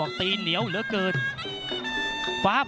นักมวยจอมคำหวังเว่เลยนะครับ